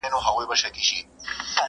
ما چي خیبر ته حماسې لیکلې!!